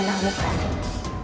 kau sudah menanggung perasaan